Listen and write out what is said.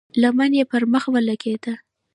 لمن يې پر مخ ولګېده.